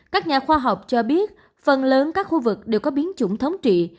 các nhà khoa học cho biết phần lớn các khu vực đều có biến chủng thống trị